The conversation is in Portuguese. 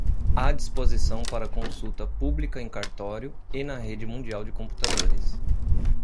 à disposição para consulta pública em cartório e na rede mundial de computadores